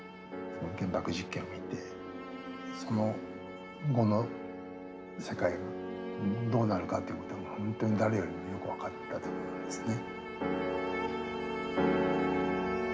原爆実験を見てその後の世界がどうなるかっていうことが本当に誰よりもよく分かってたと思うんですよね。